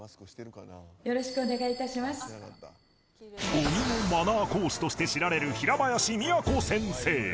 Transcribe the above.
鬼のマナー講師として知られる平林都先生